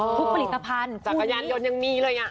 ทุกผลิตภัณฑ์จากกระยานยนต์ยังมีเลยอะ